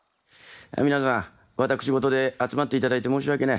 皆さん私ごとで集まって頂いて申し訳ない。